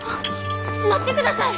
待ってください！